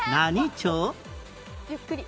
ゆっくり。